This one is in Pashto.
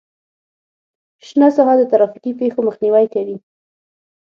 شنه ساحه د ترافیکي پیښو مخنیوی کوي